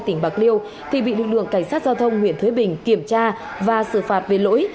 tỉnh bạc liêu thì bị lực lượng cảnh sát giao thông huyện thới bình kiểm tra và xử phạt về lỗi